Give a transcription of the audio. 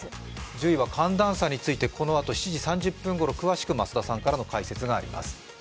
１０位は寒暖差について、このあと７時３０分ころ詳しく増田さんから説明があります。